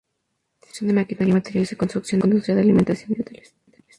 Construcción de maquinaria, materiales de construcción, industria de la alimentación y Hoteles.